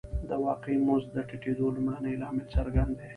د واقعي مزد د ټیټېدو لومړنی لامل څرګند دی